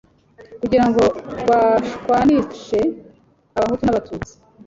kugirango bashwanishe Abahutu n’Abatutsi